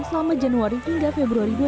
selama januari hingga februari dua ribu dua puluh